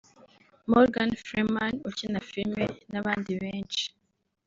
Morgan Freman ukina film n’abandi benshi